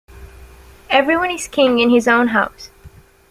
Everyone is king in his own house.